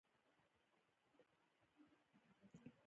پامیر د افغانستان د سیلګرۍ یوه ډېره مهمه برخه ده.